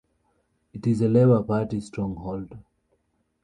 It is a Labour Party stronghold.